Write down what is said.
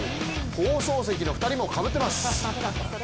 放送席の２人もかぶっています。